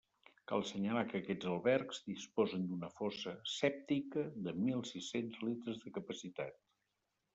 Cal assenyalar que aquests albergs disposen d'una fossa sèptica de mil sis-cents litres de capacitat.